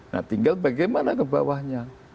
nah tinggal bagaimana ke bawahnya